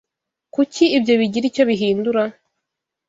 Kuki ibyo bigira icyo bihindura?